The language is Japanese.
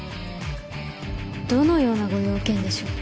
どのようなご用件でしょうか。